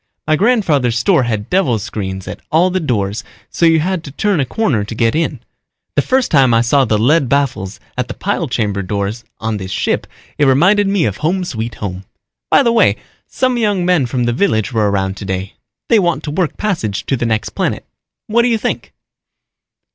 My grandfather's store had devil screens at all the doors so you had to turn a corner to get in. The first time I saw the lead baffles at the pile chamber doors on this ship it reminded me of home sweet home. By the way, some young men from the village were around today. They want to work passage to the next planet. What do you think?"